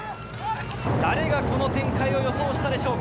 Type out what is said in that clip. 誰が、この展開を予想したでしょうか？